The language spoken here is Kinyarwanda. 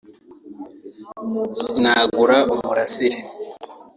sinagura umurasire